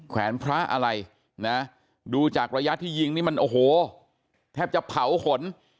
แวนพระอะไรนะดูจากระยะที่ยิงนี่มันโอ้โหแทบจะเผาขน